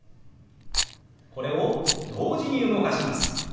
これを同時に動かします。